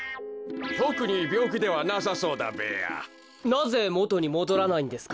なぜもとにもどらないんですか？